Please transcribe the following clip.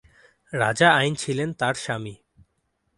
রাজা আইন ছিলেন তাঁর স্বামী।